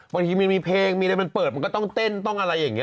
บางทีมันมีเพลงมีอะไรมันเปิดมันก็ต้องเต้นต้องอะไรอย่างนี้